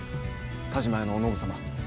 田嶋屋のお信様。